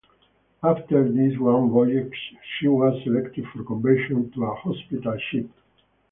After this one voyage she was selected for conversion to a hospital ship.